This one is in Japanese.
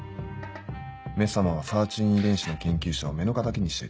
「め様」はサーチュイン遺伝子の研究者を目の敵にしていた。